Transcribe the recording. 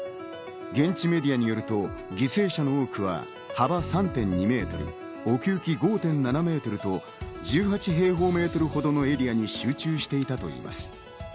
現地メディアによると犠牲者の多くは幅３．２メートル、奥行き５．７メートルと１８平方メートルほどのエリアに集中していたといいます。